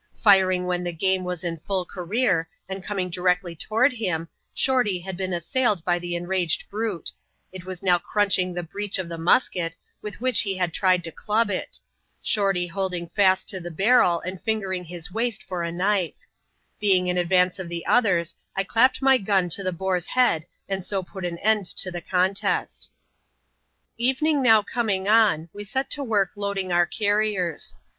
Firing when the game was in full career, and coming directly toward him. Shorty had been assailed by tbe enraged brute; it was now eTMnchiu^ the breech of the musket, with which lie liad ttied^o dvj\> \\.% ^VQ't^:^ V^^tv^W^ CHAP.I.TO.] THE SECOND HUNT IN THE MOUNTAINS. 223 to the barrel, and fingering his waist for a knife. Being in advance of the others, I clapped my gun to the boar's head, and so put an end to the contest. Evening now coming on, we set to work loading our car riers.